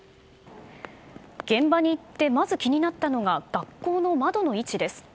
現場に行ってまず気になったのが学校の窓の位置です。